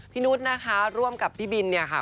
พี่นุ้ตนะคะร่วมกับพี่บินนี่ค่ะ